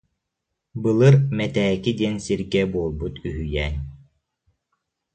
Былыр Мэтээки диэн сиргэ буолбут үһүйээн